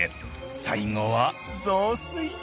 最後は雑炊で。